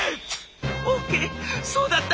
「オーケーそうだった。